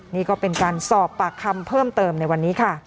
นี่ก็เป็นการสอบปากคำเพิ่มเติมในวันนี้ค่ะ